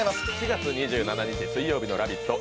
４月２７日水曜日の「ラヴィット！」